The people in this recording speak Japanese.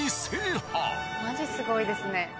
まじすごいですね。